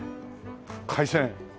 海鮮。